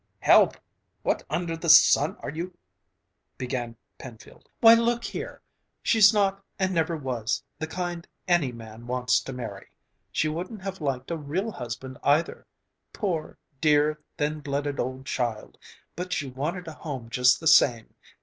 "Help! What under the sun are you..." began Penfield. "Why, look here, she's not and never was, the kind any man wants to marry. She wouldn't have liked a real husband, either... poor, dear, thin blooded old child! But she wanted a home just the same.